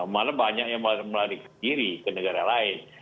malah banyak yang melarikan diri ke negara lain